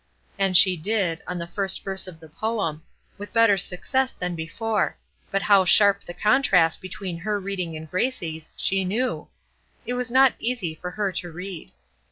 And she did, on the first verse of the poem; with better success than before; but how sharp the contrast between her reading and Gracie's, she knew! It was not easy for her to read.